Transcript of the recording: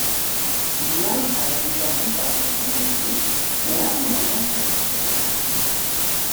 Jilian a été tentée par de nombreux métiers mais a finalement choisi d'être actrice.